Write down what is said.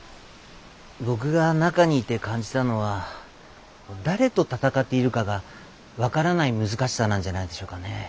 僕が中にいて感じたのは誰と闘っているかが分からない難しさなんじゃないでしょうかね。